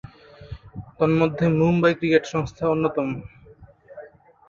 তন্মধ্যে মুম্বই ক্রিকেট সংস্থা অন্যতম।